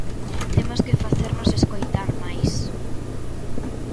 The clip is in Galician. Temos que facernos escoitar máis.